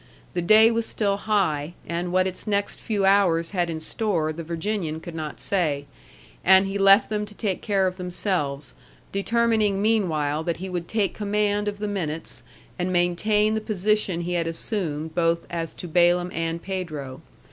The day was still high, and what its next few hours had in store the Virginian could not say, and he left them to take care of themselves, determining meanwhile that he would take command of the minutes and maintain the position he had assumed both as to Balaam and Pedro.